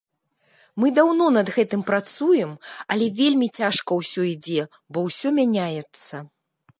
Мы даўно над гэтым працуем, але вельмі цяжка ўсё ідзе, бо ўсё мяняецца.